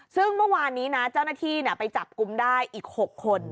ซึ่งเมื่อวานนี้นะเจ้าหน้าที่ไปจับกลุ่มได้อีก๖คน